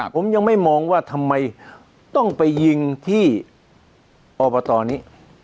ผมยังไม่มองว่าทำไมต้องไปยิงที่อบตนี้